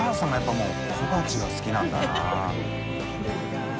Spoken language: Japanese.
もう小鉢が好きなんだな。